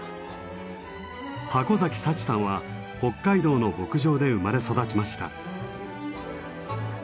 筥嵜幸さんは北海道の牧場で生まれ育ちました。